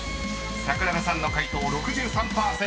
［桜田さんの解答６３％］